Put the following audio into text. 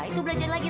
itu belajar lagi